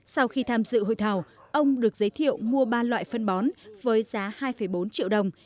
sau khi tham dự hội thảo ông được giới thiệu mua ba loại phân bón với giá hai bốn triệu đồng